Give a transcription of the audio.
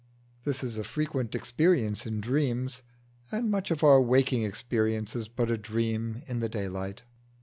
This is a frequent experience in dreams, and much of our waking experience is but a dream in the daylight.